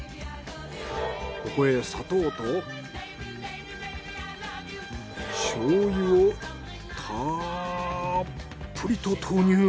ここへ砂糖と醤油をたっぷりと投入。